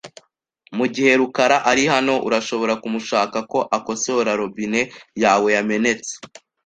Mugihe rukara ari hano, urashobora kumushaka ko akosora robine yawe yamenetse .